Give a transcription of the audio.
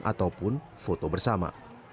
ataupun foto bersama